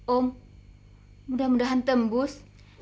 om mudah mudahan tembus